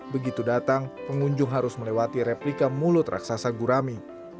begitu datang pengunjung harus melewati replika mulut raksasa gurami